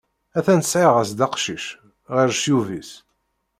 Atan sɛiɣ-as-d aqcic, ɣer ccyub-is!